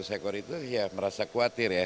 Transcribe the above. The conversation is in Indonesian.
dua dua ratus ekor itu ya merasa khawatir ya